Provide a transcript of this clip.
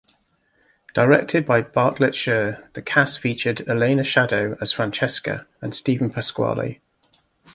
Directed by Bartlett Sher, the cast featured Elena Shaddow as Francesca and Steven Pasquale.